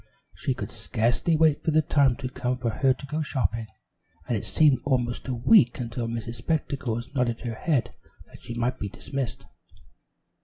She could scarcely wait for the time to come for her to go shopping, and it seemed almost a week until Miss Spectacles nodded her head that she might be dismissed.